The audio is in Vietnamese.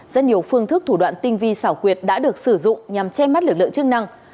rất nhiều phương thức thủ đoạn tinh vi xảo quyệt đã được sử dụng nhằm che mắt lực lượng chức năng